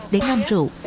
để ngâm rượu